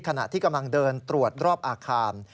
ขณะที่กำลังเดินตรวจรอบอาคาร